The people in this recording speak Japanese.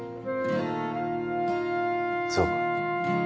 そうか。